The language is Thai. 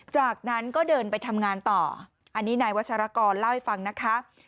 จากนั้นก็เดินไปทำงานต่ออันนี้นายวัชรกรเล่าให้ฟังนะคะ